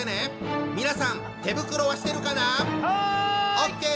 オッケー！